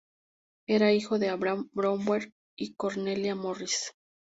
Era hijo de Abraham Bower y de Cornelia Morris.